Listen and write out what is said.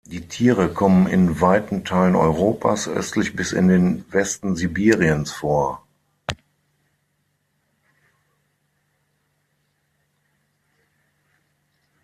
Die Tiere kommen in weiten Teilen Europas, östlich bis in den Westen Sibiriens vor.